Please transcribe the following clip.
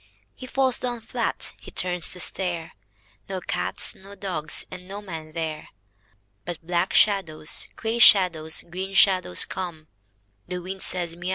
He falls down flat. H)e turns to stare — No cats, no dogs, and no men there. But black shadows, grey shadows, green shadows come. The wind says, " Miau !